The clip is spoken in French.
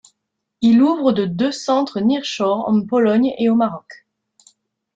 Il ouvre de deux centres nearshore en Pologne et au Maroc.